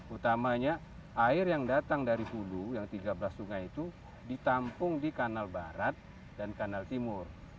utamanya air yang datang dari hulu yang tiga belas sungai itu ditampung di kanal barat dan kanal timur